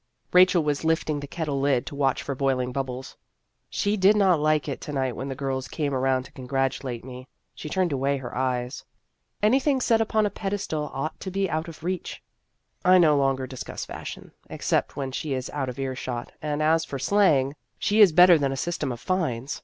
Rachel was lifting the kettle lid to watch for boiling bubbles. " She did not like it to night when the girls came around to congratulate me ; she turned away her eyes." " Anything set upon a pedestal ought to be out of reach." " I no longer discuss fashion except when she is out of ear shot ; and as for slang, she is better than a system of fines.